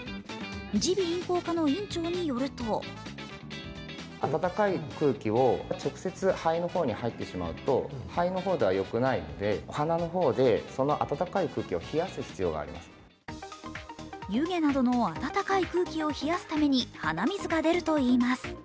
耳鼻咽喉科の院長によると湯気などの温かい空気を冷やすために鼻水が出るといいます。